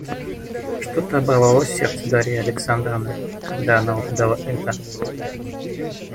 Что-то оборвалось в сердце Дарьи Александровны, когда она увидала это.